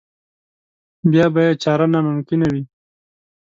بیا به یې چاره ناممکنه وي.